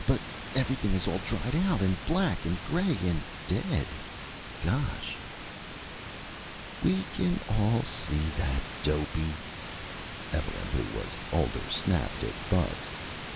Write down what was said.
But everything is all dried out and black and grey and dead! Gosh!" "We can see all that, Dopey!" Evelyn, who was older, snapped at Bubs.